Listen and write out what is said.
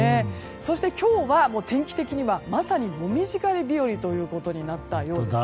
そして今日は天気的にはまさに紅葉狩り日和となりました。